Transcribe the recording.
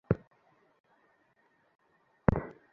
কেমন যেন নিঃশ্বাস বন্ধ হয়ে আসে।